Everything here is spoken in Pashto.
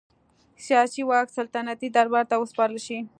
سیاسي واک سلطنتي دربار ته وسپارل شي.